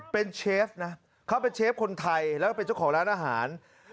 เป็นเชฟนะเขาเป็นเชฟคนไทยแล้วก็เป็นเจ้าของร้านอาหาร